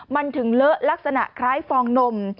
มันถึงเลอะลักษณะคล้ายฟองนม